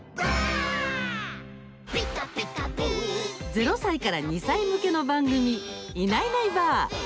０歳から２歳向けの番組「いないいないばあっ！」。